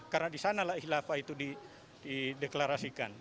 karena disanalah hilafah itu dideklarasikan